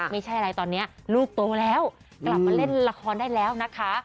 ไม่ใช่อะไรตอนนี้ลูกโตแล้วกลับมาเล่นละครได้แล้วนะคะ